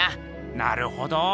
なるほど。